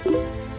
đẹp hay sợ